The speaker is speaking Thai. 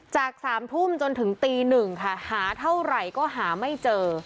จาก๓ทุ่มจนถึงตี๑ค่ะหาเท่าไหร่ก็หาไม่เจอ